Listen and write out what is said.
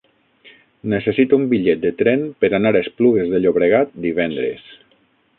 Necessito un bitllet de tren per anar a Esplugues de Llobregat divendres.